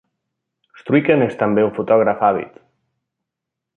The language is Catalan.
Struycken és també un fotògraf àvid.